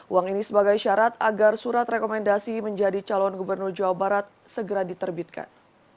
uang ini sebagai syarat agar surat rekomendasi menjadi calon gubernur jawa barat segera diterbitkan